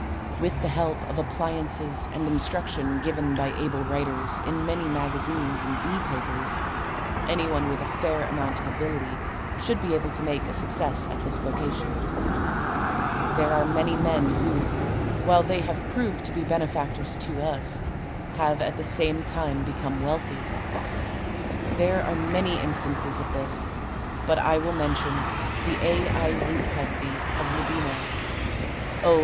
With the help of appliances and the instruction given by able writers in many magazines and bee papers anyone with a fair amount of ability should be able to make a success at this vocation. There are many men who, while they have proved to be benefactors to us, have at the same time become wealthy. There are many instances of this, but I will mention The A. I. Root Co., of Medina, O.